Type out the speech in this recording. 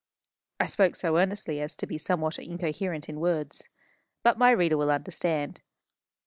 I spoke so earnestly as to be somewhat incoherent in words. But my reader will understand.